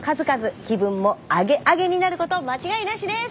気分もアゲアゲになること間違いなしです！